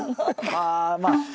ああまあ